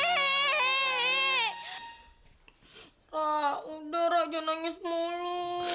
ra udah ra jangan nangis mulu